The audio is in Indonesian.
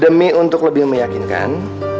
demi untuk lebih meyakinkan